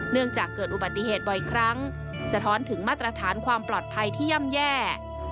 เนื่องจากเกิดอุบัติเหตุบ่อยครั้งสะท้อนถึงมาตรฐานความปลอดภัยที่ย่ำแย่